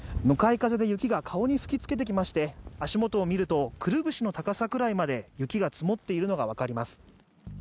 向かい風で雪が顔に吹きつけてきまして足元を見ると、くるぶしの高さの辺りまで雪が積もっているのが分かります。